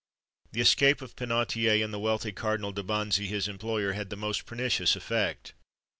The escape of Penautier, and the wealthy Cardinal de Bonzy his employer, had the most pernicious effect.